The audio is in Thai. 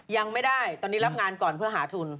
ยังไม่ได้ตอนนี้รับงานก่อนเพื่อหาทุน